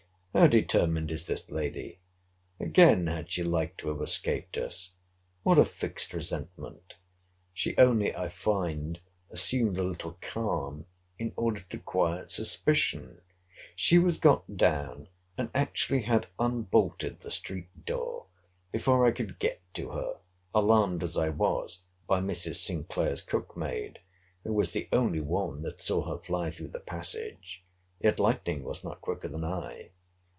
How determined is this lady!—Again had she like to have escaped us!—What a fixed resentment!—She only, I find, assumed a little calm, in order to quiet suspicion. She was got down, and actually had unbolted the street door, before I could get to her; alarmed as I was by Mrs. Sinclair's cookmaid, who was the only one that saw her fly through the passage: yet lightning was not quicker than I.